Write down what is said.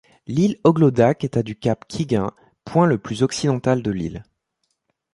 L'île Oglodak est à du cap Kigun, point le plus occidental de l'île.